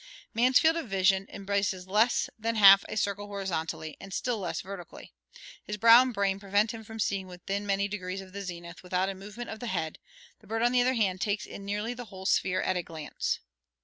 Man's field of vision embraces less than half a circle horizontally, and still less vertically; his brow and brain prevent him from seeing within many degrees of the zenith without a movement of the head; the bird on the other hand, takes in nearly the whole sphere at a glance.